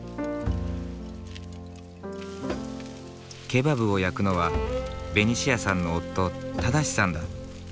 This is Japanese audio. ケバブを焼くのはベニシアさんの夫正さんだ。